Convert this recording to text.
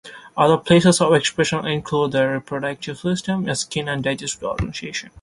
Other places of expression include the reproductive system, the skin and digestive organs.